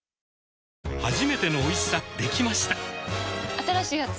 新しいやつ？